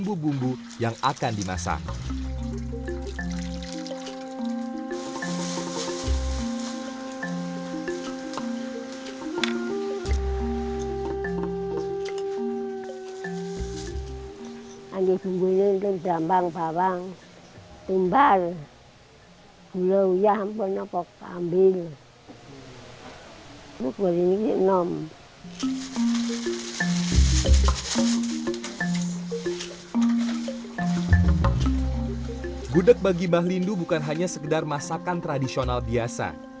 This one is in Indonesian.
gudeg bagi mbah lindu bukan hanya sekedar masakan tradisional biasa